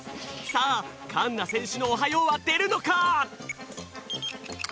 さあかんなせんしゅの「おはよう」はでるのか？